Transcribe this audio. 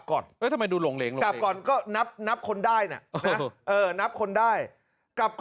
ก็ถามกี่ทีก็จะตอบเหมือนเดิม